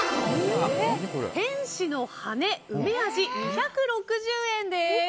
天使のはね梅味、２６０円です。